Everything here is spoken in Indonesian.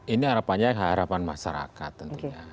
ini harapannya harapan masyarakat tentunya